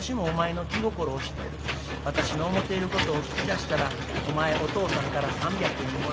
私の思ていることを聞き出したらお前お父さんから３００円もらえる。